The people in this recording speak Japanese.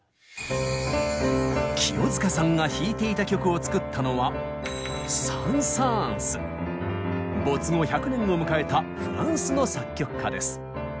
清塚さんが弾いていた曲を作ったのは没後１００年を迎えたフランスの作曲家です。